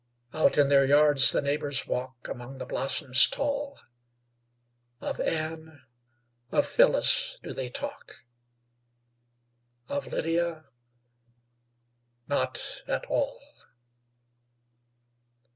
Out in their yards the neighbors walk, Among the blossoms tall; Of Anne, of Phyllis, do they talk, Of Lydia not at all.